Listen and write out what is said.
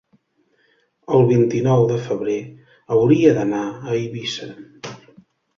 El vint-i-nou de febrer hauria d'anar a Eivissa.